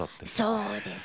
そうですね。